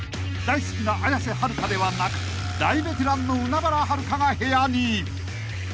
［大好きな綾瀬はるかではなく大ベテランの海原はるかが部屋に］